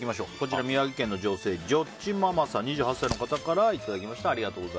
宮城県、女性、２８歳の方からいただきました。